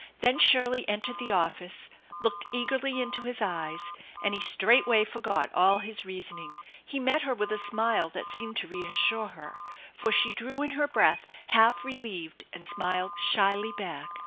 Then Shirle^ entered the office, looked eagerly into his eyes ; and he straight' way forgot all his reasoning. He met her with a smile thai seemed to reassure her, for she drew in her breath half relieved, and smiled shyly back.